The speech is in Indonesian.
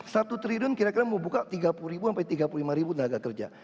satu triliun kira kira membuka tiga puluh sampai tiga puluh lima ribu tenaga kerja